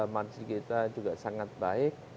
marts kita juga sangat baik